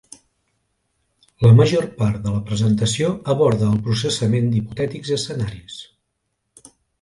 La major part de la presentació aborda el processament d'hipotètics escenaris.